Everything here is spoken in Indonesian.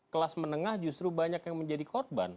kelas menengah justru banyak yang menjadi korban